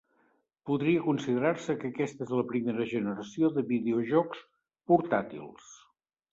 Podria considerar-se que aquesta és la primera generació de videojocs portàtils.